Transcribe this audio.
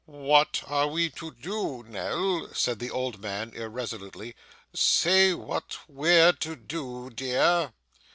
'What are we to do, Nell?' said the old man irresolutely, 'say what we're to do, dear.